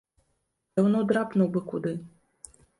Даўно драпнуў бы куды.